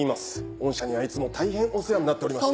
御社にはいつも大変お世話になっておりまして。